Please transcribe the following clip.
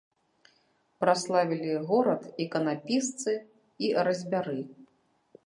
Праславілі горад іканапісцы і разьбяры.